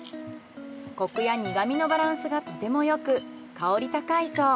コクや苦みのバランスがとてもよく香り高いそう。